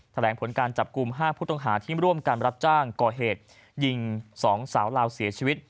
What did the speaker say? แถลงผลการจับกลุ่ม๕ผู้ต้องหาที่ร่วมกันรับจ้างก่อเหตุยิง๒สาวลาวเสียชีวิต